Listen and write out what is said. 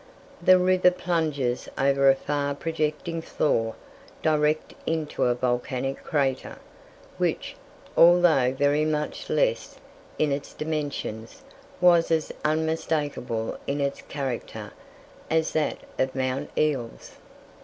The river plunges over a far projecting floor direct into a volcanic crater, which, although very much less in its dimensions, was as unmistakable in its character as that of Mount Eeles.